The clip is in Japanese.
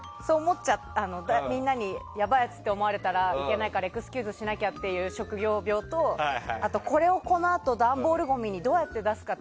最初にみんなにやばいやつと思われたら嫌だからエクスキューズしなきゃという職業病とあとこれをこのあと段ボールごみにどうやって出すのか。